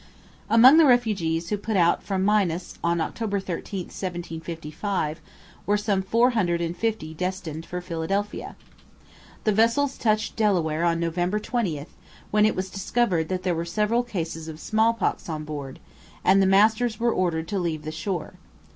Among the refugees who put out from Minas on October 13, 1755, were some four hundred and fifty destined for Philadelphia. The vessels touched Delaware on November 20, when it was discovered that there were several cases of smallpox on board, and the masters were ordered to leave the shore.